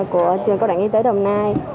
của trường cộng đoạn y tế đồng nai